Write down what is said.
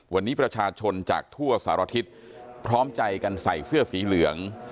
วันนี้ประชาชนจากทั่วสารทิศพร้อมใจกันใส่เสื้อสีเหลือง